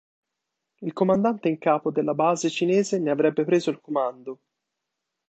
Il Comandante in Capo della base cinese ne avrebbe preso il comando.